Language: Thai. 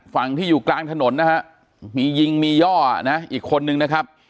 ฝั่งที่อยู่กลางถนนนะฮะมียิงมีย่อนะอีกคนนึงนะครับ